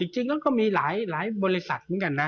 จริงแล้วก็มีหลายบริษัทเหมือนกันนะ